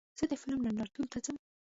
زه د فلم نندارتون ته ځم.